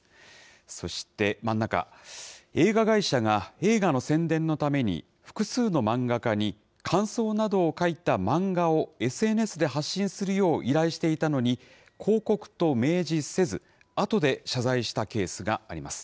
そして、真ん中、映画会社が映画の宣伝のために、複数の漫画家に感想などを描いた漫画をＳＮＳで発信するよう依頼していたのに、広告と明示せず、あとで謝罪したケースがあります。